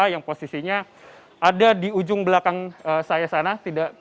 yang posisinya ada di ujung belakang saya sana